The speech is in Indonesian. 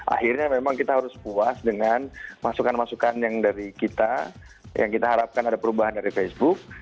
akhirnya memang kita harus puas dengan masukan masukan yang dari kita yang kita harapkan ada perubahan dari facebook